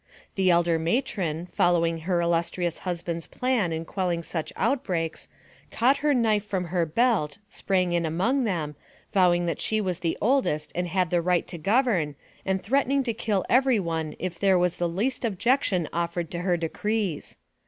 The elder matron, following her illustrious husband's plan in quelling such out breaks, caught her knife from her belt, sprang in among them, vowing that she was the oldest and had the right to govern, and threatening to kill every one if there 84 NARRATIVE OF CAPTIVITY was the least objection offered to her decrees.